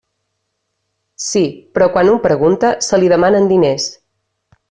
Sí, però quan un pregunta, se li demanen diners.